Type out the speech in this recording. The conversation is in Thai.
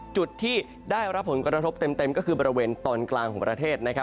จุดที่ได้รับผลกระทบเต็มก็คือบริเวณตอนกลางของประเทศ